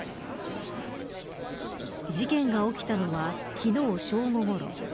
事件が起きたのは昨日正午ごろ。